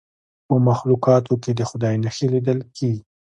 په مخلوقاتو کې د خدای نښې لیدل کیږي.